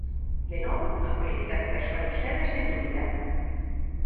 De novo, a política de persoal do Sergas en dúbida.